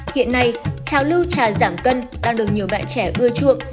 hiện nay trào lưu trà giảm cân đang được nhiều bạn trẻ ưa chuộng